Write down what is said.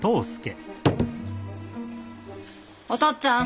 お父っつぁん。